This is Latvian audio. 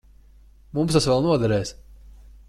Mums tas vēl noderēs.